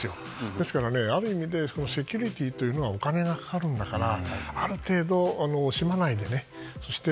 ですから、ある意味でセキュリティーというのはお金がかかるんだからある程度、惜しまないでそして